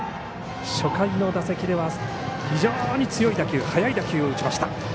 初回の打席では非常に強い打球速い打球を打ちました。